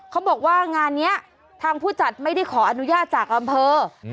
เขาบอกว่างานนี้ทางผู้จัดไม่ได้ขออนุญาตจากอำเภอ